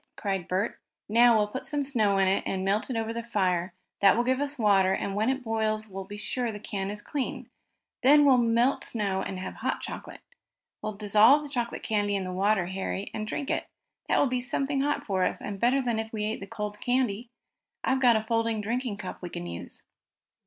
cried Bert. "Now we'll put some snow in it, and melt it over the fire. That will give us water, and when it boils we'll be sure the can is clean. Then we'll melt snow and have hot chocolate. We'll dissolve the chocolate candy in the water, Harry, and drink it. That will be something hot for us, and better than if we ate the cold candy. I've got a folding drinking cup we can use."